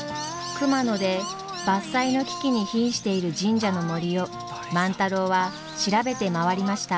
熊野で伐採の危機にひんしている神社の森を万太郎は調べて回りました。